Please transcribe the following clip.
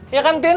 iya kan tin